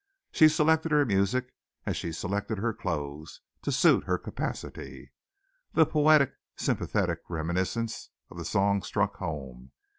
She selected her music as she selected her clothes to suit her capacity. The poetic, sympathetic reminiscence of the song struck home.